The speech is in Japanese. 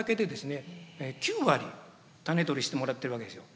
９割種取りしてもらってるわけですよ。